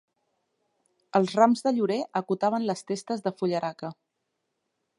Els rams de llorer acotaven les testes de fullaraca